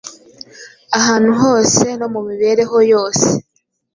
ahantu hose no mu mibereho yose.